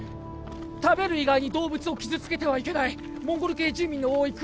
食べる以外に動物を傷つけてはいけないモンゴル系住民の多いクーダンでは